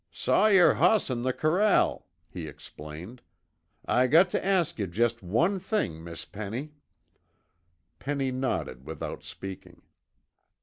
"Saw yer hoss in the corral," he explained. "I got tuh ask yuh jest one thing, Miss Penny." Penny nodded without speaking.